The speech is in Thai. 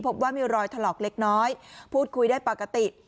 พบว่ามีรอยถลอกเล็กน้อยพูดคุยได้ปกติ